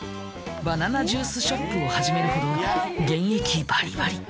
バナナジュースショップを始めるほど現役バリバリ。